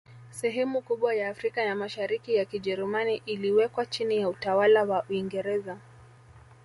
Sehemu kubwa ya Afrika ya Mashariki ya Kijerumani iliwekwa chini ya utawala wa Uingereza